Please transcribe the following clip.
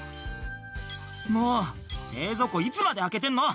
「もう冷蔵庫いつまで開けてんの！」